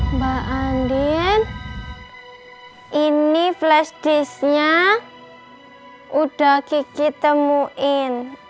mbak andien ini flash disknya udah kiki temuin